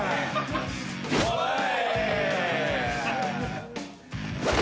おい。